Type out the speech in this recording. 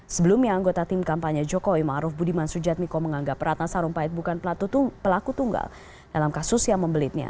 sebelumnya anggota tim kampanye jokowi maruf budiman sujadmiko menganggap ratna sarumpait bukan pelaku tunggal dalam kasus yang membelitnya